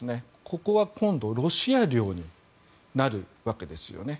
ここは今度ロシア領になるわけですね。